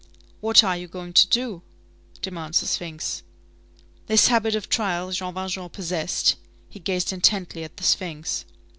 What are you going to do? demands the sphinx. This habit of trial Jean Valjean possessed. He gazed intently at the sphinx.